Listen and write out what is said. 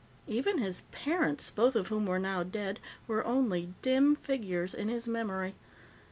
Even his parents, both of whom were now dead, were only dim figures in his memory.